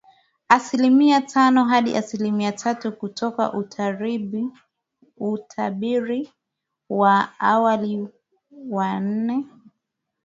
Asilimia tano hadi asilimia tatu, kutoka utabiri wa awali wa nne.